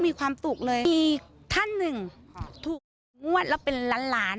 มีท่านหนึ่งถูกมั้ฎเราเป็นร้านหลาน